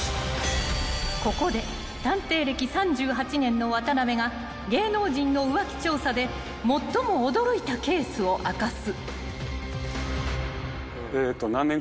［ここで探偵歴３８年の渡邉が芸能人の浮気調査で最も驚いたケースを明かす］